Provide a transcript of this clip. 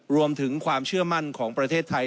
รวมถึงความเชื่อมั่นของประเทศไทย